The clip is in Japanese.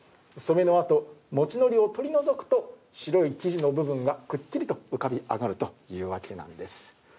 染めのあと、もち糊を取り除くと白い生地の部分がくっきりと浮かび上がるというわけなんです。